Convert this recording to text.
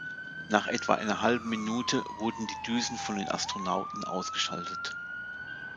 Nach etwa einer halben Minute wurden die Düsen von den Astronauten ausgeschaltet.